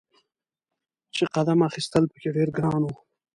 چې قدم اخیستل په کې ډیر ګران و.